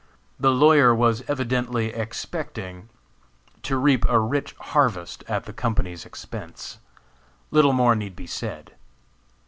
The lawyer was evidently expecting to reap a rich harvest at the company's expense. Little more need be said.